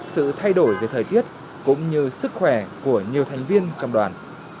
sự thay đổi về thời tiết cũng như sức khỏe của nhiều thành viên trong đoàn